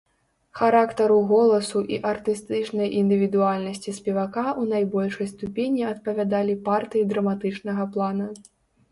Характару голасу і артыстычнай індывідуальнасці спевака ў найбольшай ступені адпавядалі партыі драматычнага плана.